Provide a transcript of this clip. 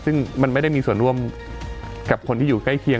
ซึ่งมันไม่ได้มีส่วนร่วมกับคนที่อยู่ใกล้เคียง